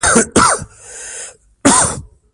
خو هغه ځايونه يې چې تر اوبو لاندې پټ وو سپينچکي وو.